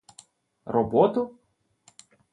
— Роботу?